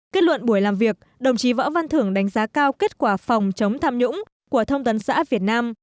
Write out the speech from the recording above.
kết luận buổi làm việc đồng chí võ văn thưởng đánh giá cao kết quả phòng chống tham nhũng của thông tấn xã việt nam